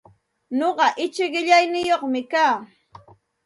Nuqaichik qillaniyuqmi kaa.